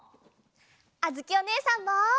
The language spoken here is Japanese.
あづきおねえさんも！